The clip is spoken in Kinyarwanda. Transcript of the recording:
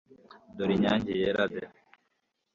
dore inyange yera de